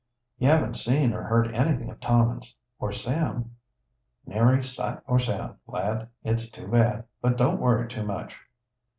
"You haven't seen or heard anything of Tom or Sam?" "Nary sight or sound, lad. It's too bad, but don't worry too much."